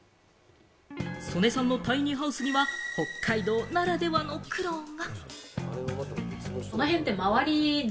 曽根さんのタイニーハウスには北海道ならではの苦労が。